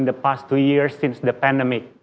dalam dua tahun yang lalu sejak pandemi